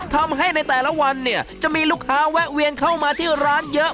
ทำให้ในแต่ละวันเนี่ยจะมีลูกค้าแวะเวียนเข้ามาที่ร้านเยอะ